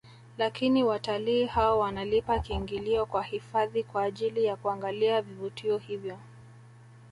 Lakini watalii hao wanalipa kiingilio kwa hifadhi kwa ajili ya kuangalia vivutio hivyo